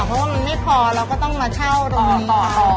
เพราะว่ามันไม่พอเราก็ต้องมาเช่าตรงนี้ค่ะต่อต่อต่อ